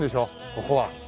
ここは。